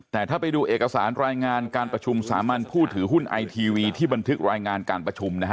แต่ถ้าไปดูเอกสารรายงานการประชุมสามัญผู้ถือหุ้นไอทีวีที่บันทึกรายงานการประชุมนะฮะ